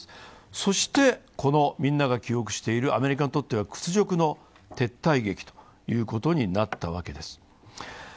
そしてみんなが記憶している、アメリカにとっては屈辱的な撤退劇ということになったわけです。